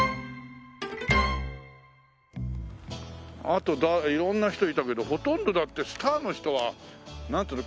あと色んな人いたけどほとんどだってスターの人はなんていうの？